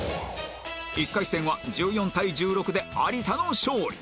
１回戦は１４対１６で有田の勝利